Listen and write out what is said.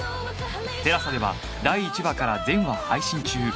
ＴＥＬＡＳＡ では第１話から全話配信中